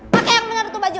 pake yang bener tuh baju